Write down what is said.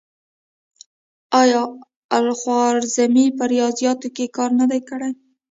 آیا الخوارزمي په ریاضیاتو کې کار نه دی کړی؟